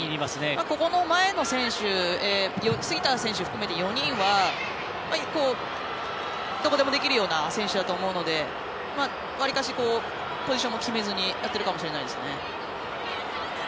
ここの前の選手杉田選手を含めた４人はどこでもできるような選手だと思うので割かし、ポジションも決めずにやっているかもしれません。